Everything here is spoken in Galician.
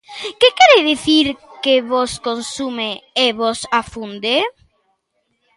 Que quere dicir que vos consume e vos afunde?